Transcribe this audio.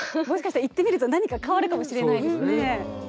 もしかしたら言ってみると何か変わるかもしれないですね。